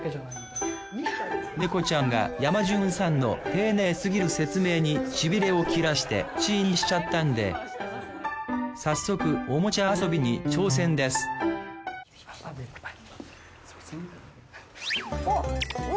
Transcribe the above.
猫ちゃんがヤマジュンさんの丁寧すぎる説明にしびれを切らしてチーンしちゃったんで早速おもちゃ遊びに挑戦ですおっおお！